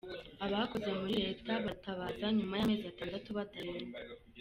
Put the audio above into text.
Abakoze muri leta baratabaza nyuma y’amezi atandatu badahembwa